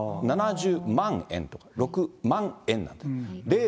７０万円とか、６万円なんです。